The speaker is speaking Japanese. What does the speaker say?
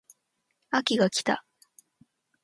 秋が来た